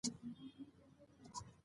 دی د حقایقو بیان ته دوام ورکوي.